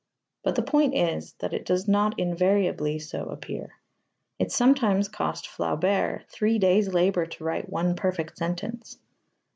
But the point is that it does not invariably so appear. It sometimes cost Flaubert three days' labour to write one perfect sentence.